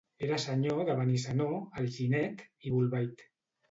Era senyor de Benissanó, Alginet i Bolbait.